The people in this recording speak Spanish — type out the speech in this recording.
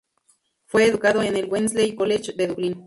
Fue educado en el Wesley College de Dublín.